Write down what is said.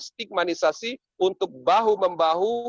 stigmanisasi untuk bahu membahu